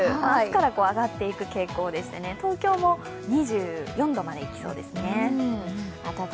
明日から上がっていく傾向でして、東京も２４度までいきそうですね。